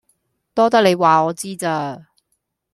多得你話我知咋